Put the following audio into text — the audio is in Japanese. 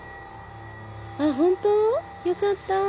ホント？よかった。